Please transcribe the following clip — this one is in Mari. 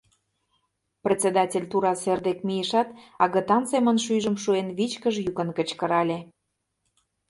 Председатель тура сер дек мийышат, агытан семын шӱйжым шуен, вичкыж йӱкын кычкырале: